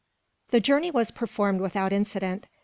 The journey was performed without incident.